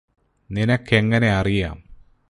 നിനക്കെങ്ങനെ അറിയാം